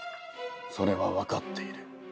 それは分かっている。